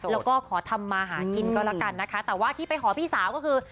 แล้วก็ขอทำมาหากินก็แล้วกันนะคะแต่ว่าที่ไปขอพี่สาวก็คือ